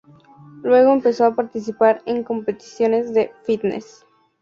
Luego empezó a participar en competiciones de fitness.